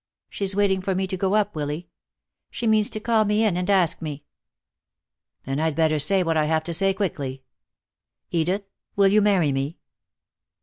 She's waiting for me to go up, Willy. She means to call me in and ask me." "Then I'd better say what I have to say quickly. Edith, will you marry me?"